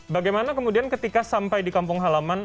bagaimana kemudian ketika sampai di kampung halaman